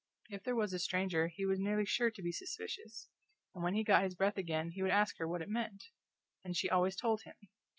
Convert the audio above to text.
If there was a stranger he was nearly sure to be suspicious, and when he got his breath again he would ask her what it meant. And she always told him.